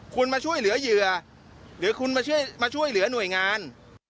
คุณมาช่วยเหลือเหยื่อหรือคุณมาช่วยเหลือหน่วยงาน